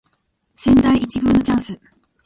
千載一遇のチャンス